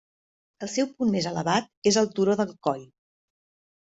El seu punt més elevat és el Turó del Coll.